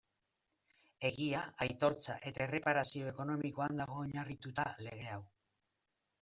Egia, aitortza eta erreparazio ekonomikoan dago oinarrituta lege hau.